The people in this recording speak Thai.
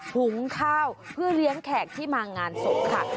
หุงข้าวเพื่อเลี้ยงแขกที่มางานศพค่ะ